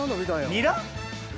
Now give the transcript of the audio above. ニラ？